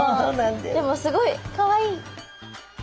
でもすごいかわいい！